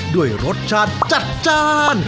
ด้วยรสชาติจัดจ้าน